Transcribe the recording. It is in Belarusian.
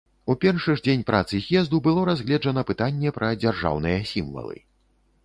У першы ж дзень працы з'езду было разгледжана пытанне пра дзяржаўныя сімвалы.